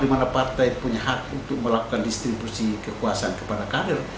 di mana partai punya hak untuk melakukan distribusi kekuasaan kepada kader